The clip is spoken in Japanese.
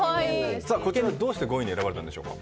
どうして５位に選ばれたんでしょうか。